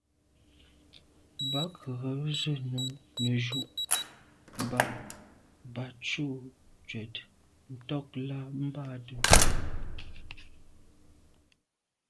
Bə̌k rə̌ zə̂nù nə́ jú’ mbā bɑ̀ cú cɛ̌d ntɔ́k lá bɑdə̂.